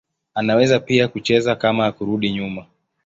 Anaweza pia kucheza kama kurudi nyuma.